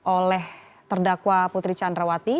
oleh terdakwa putri candrawati